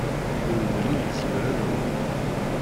Ur nelli nezmer ad nɛum.